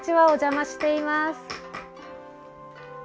お邪魔しています。